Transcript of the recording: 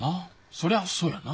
そりゃそうやな。